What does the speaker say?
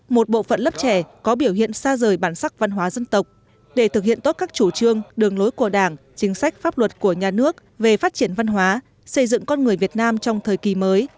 một bộ phận lớp trẻ có biểu hiện xa rời bản sắc văn hóa dân tộc để thực hiện tốt các chủ trương đường lối của đảng chính sách pháp luật của nhà nước về phát triển văn hóa xây dựng con người việt nam trong thời kỳ mới